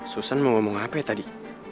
suson mau ngomong apa ya tadi